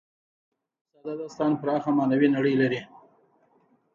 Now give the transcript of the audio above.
ساده داستان پراخه معنوي نړۍ لري.